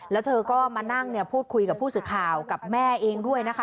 แล้วเธอก็มานั่งเนี่ยพูดคุยกับผู้สื่อข่าวกับแม่เองด้วยนะคะ